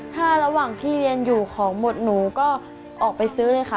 ถ้าระหว่างที่เรียนอยู่ของหมดหนูก็ออกไปซื้อเลยค่ะ